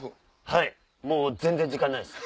はいもう全然時間ないです。